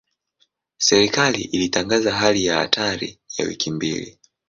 Serikali ilitangaza hali ya hatari ya wiki mbili.